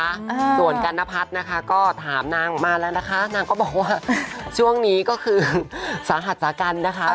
ไปกับการ์นัพัทส์ก็ถามนางนางก็มาแล้วนะคะบอกว่าช่วงนี้ก็คือสหัศจรรย์กันนะคะ